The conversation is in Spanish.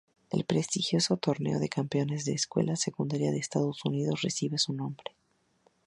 El prestigioso Torneo de Campeones de Escuela Secundaria de Estados Unidos recibe su nombre.